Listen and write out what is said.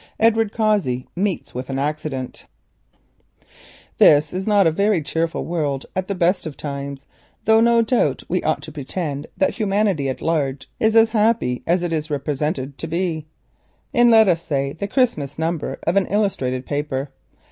EDWARD COSSEY MEETS WITH AN ACCIDENT At the best of times this is not a gay world, though no doubt we ought to pretend that humanity at large is as happy as it is represented to be in, let us say, the Christmas number of an illustrated paper.